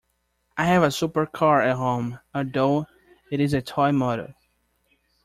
I have a supercar at home, although it is a toy model.